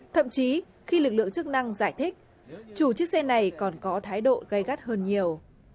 thậm chí khi lực lượng chức năng giải thích chủ chiếc xe này còn có thái độ gây gắt hơn nhiều